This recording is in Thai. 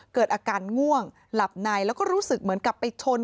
เกิดอาการง่วงหลับในแล้วก็รู้สึกเหมือนกับไปชน